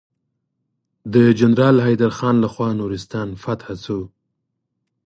د جنرال حيدر خان لخوا نورستان فتحه شو.